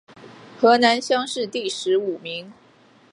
河南乡试第十五名。